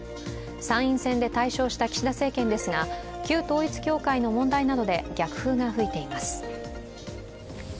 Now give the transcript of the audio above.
参院選で大勝した岸田政権ですが、旧統一教会の問題などで逆風が吹いています。